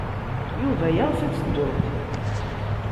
Yuba yeɣs ad teddumt.